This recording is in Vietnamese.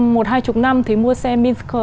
một hai chục năm thì mua xe minsk